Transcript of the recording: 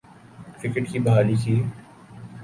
cricket کی بحالی کی